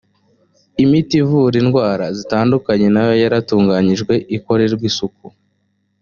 imiti ivura indwara zitandukanye nayo yaratunganijwe ikorerwa isuku